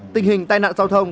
tình hình tai nạn giao thông